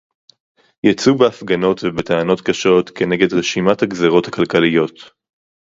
יצאו בהפגנות ובטענות קשות כנגד רשימת הגזירות הכלכליות